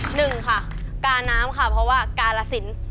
หนึ่งค่ะกาน้ำค่ะเพราะว่ากาลสิน